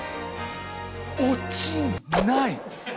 落ちない！